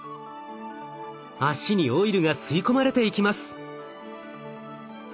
脚にオイルが吸い込まれていきます。